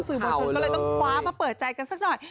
สื่อมวลชนก็เลยต้องคว้ามาเปิดใจกันสักหน่อย